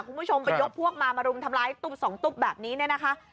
คุณผู้ชมไปยกพวกมามารุมทำร้ายตุ๊บสองตุ๊บแบบนี้เนี่ยนะคะ